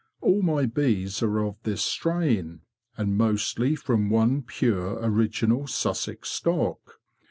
All my bees are of this strain, and mostly from one pure original Sussex stock.